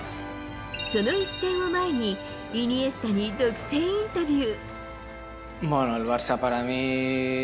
その一戦を前に、イニエスタに独占インタビュー。